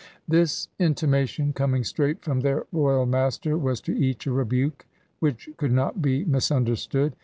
This intimation, coming straight from their royal master, was to each a rebuke which could not be misunderstood.